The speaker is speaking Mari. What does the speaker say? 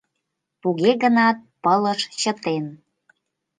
Туге гынат пылыш чытен.